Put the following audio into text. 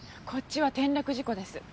こっちは転落事故です。